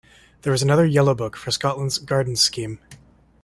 There is another Yellow Book for Scotland's Gardens Scheme.